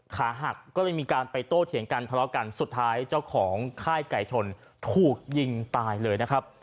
ขาหักก็เลยมีการไปโต้เถียงกันทะเลาะกันสุดท้ายเจ้าของค่ายไก่ชนถูกยิงตายเลยนะครับ